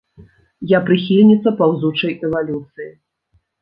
Я прыхільніца паўзучай эвалюцыі.